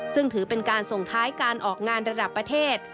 ซึ่งถือเป็นการส่งท้ายการออกงานระดับประเทศ